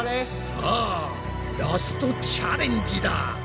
さあラストチャレンジだ。